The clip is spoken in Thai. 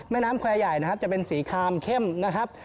แม่น้ำแควร์ใหญ่นะครับจะเป็นสีคามเข้มนะครับ